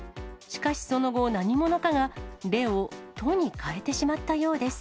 しかしその後、何者かがレを、トに変えてしまったようです。